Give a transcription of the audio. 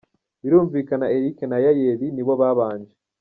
Birumvikana Eric na Yayeli ni bo babanje.